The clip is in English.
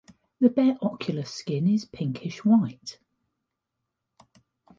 The bare ocular skin is pinkish-white.